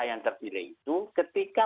yang terpilih itu ketika